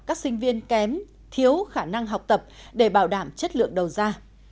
các sinh viên kém thiếu khả năng học tập để bảo đảm chất lượng đầu ra